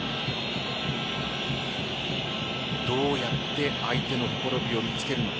どうやって相手のほころびを見つけるのか。